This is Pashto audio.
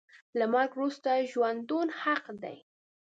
له مرګ وروسته ژوندون حق دی .